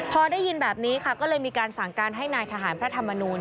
พอได้ยินแบบนี้ค่ะก็เลยมีการสั่งการให้นายทหารพระธรรมนูล